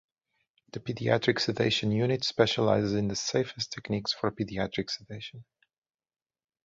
The pediatric sedation unit specializes in the safest techniques for pediatric sedation.